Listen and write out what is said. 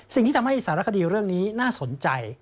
สิ่งที่ทำให้สารคดีเรื่องนี้น่าสนใจ